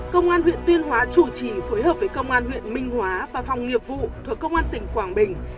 công an huyện tuyên hóa chủ trì phối hợp với công an huyện minh hóa và phòng nghiệp vụ thuộc công an tỉnh quảng bình